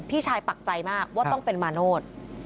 พี่ชายปักใจมากว่าต้องเป็นมาโนธ